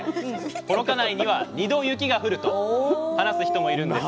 「幌加内には二度雪が降る」と話す人もいるんです。